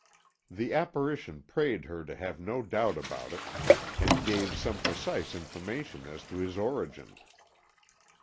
The apparition prayed her to have no doubt about it, and gave some precise information as to his origin.